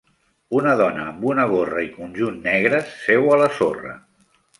Una dona amb una gorra i conjunt negres seu a la sorra.